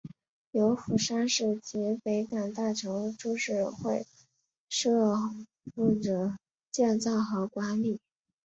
由釜山市及北港大桥株式会社负责建造和管理。